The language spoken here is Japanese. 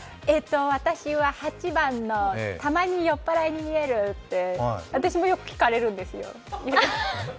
私は８番の「たまに酔っ払いに見える」って、私もよく聞かれるんですよ。